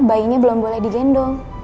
bayinya belum boleh digendong